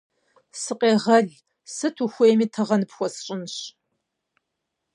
- Сыкъегъэл! Сыт ухуейми тыгъэ ныпхуэсщӀынщ!